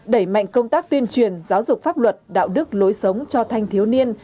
đẩy mạnh công tác tuyên truyền giáo dục pháp luật đạo đức lối sống cho thanh thiếu niên